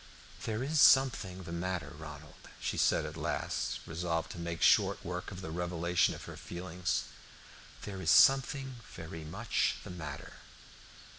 "There is something the matter, Ronald," she said at last, resolved to make short work of the revelation of her feelings. "There is something very much the matter."